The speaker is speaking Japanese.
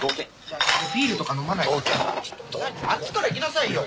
あっちから行きなさいよ！